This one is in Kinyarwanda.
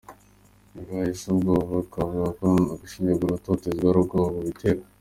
Bibaye se ubwoba, twavuga ko no gushinyagurira utotezwa ari ubwoba bubitera ?